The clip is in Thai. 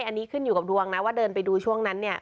อันนี้ขึ้นอยู่กับดวงนะว่าเดินไปดูช่วงนั้นเนี่ย